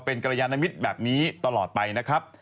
เป็นกรยานมิตรแบบนี้ตลอดไปนะครับ